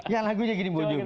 yang lagunya gini bon jovi